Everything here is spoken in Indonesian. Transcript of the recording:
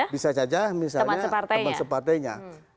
bisa saja teman separtainya